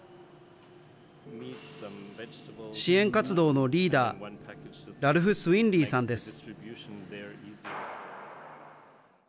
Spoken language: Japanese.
支援活動のリーダー、ラルフ・スウィンリーさんです。